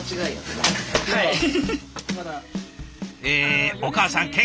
えお母さん